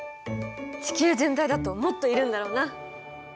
地球全体だともっといるんだろうな。